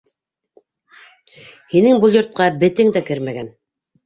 Һинең был йортҡа бетең дә кермәгән!